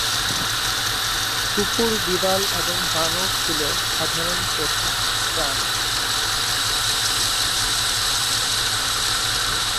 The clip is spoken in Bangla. কুকুর, বিড়াল এবং বানর ছিল সাধারণ পোষা প্রাণী।